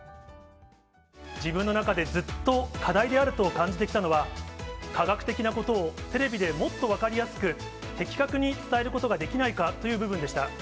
自分の中でずっと、課題であると感じてきたのは、科学的なことをテレビでもっと分かりやすく、的確に伝えることができないかという部分でした。